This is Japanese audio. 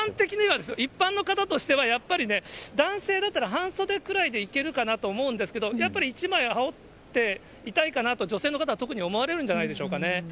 一般の方としては、やっぱり男性だったら半袖くらいでいけるかなと思うんですけど、やっぱり１枚羽織っていたいかなと、女性の方は特に思われるんじゃないでしょうかね。